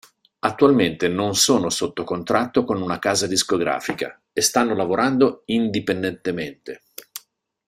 Attualmente non sono sotto contratto con una casa discografica e stanno lavorando indipendentemente.